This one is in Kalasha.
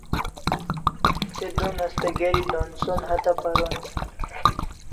Te don asta gri d'onson hatya paron